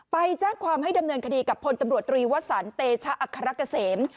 ไปแจ้งความให้ดำเนินคดีกับพลตำรวจตรีวสันเตชะอัครกะเสม